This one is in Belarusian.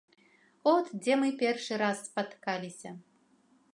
От дзе мы першы раз спаткаліся.